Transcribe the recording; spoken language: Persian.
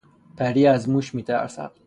پری از موش میترسد.